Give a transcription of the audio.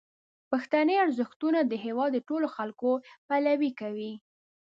پښتني ارزښتونه د هیواد د ټولو خلکو پلوي کوي.